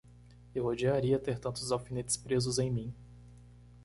Eu odiaria ter tantos alfinetes presos em mim!